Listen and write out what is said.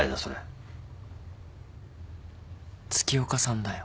月岡さんだよ。